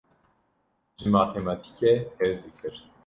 Ji matematîkê hez dikir.